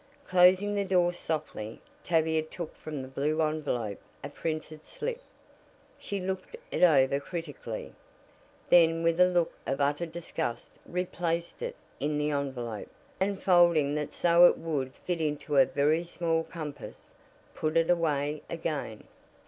Closing the door softly, Tavia took from the blue envelope a printed slip. She looked it over critically, then with a look of utter disgust replaced it in the envelope, and folding that so it would fit into a very small compass, put it away again.